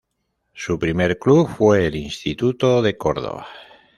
Su primer club fue el Instituto de Cordoba.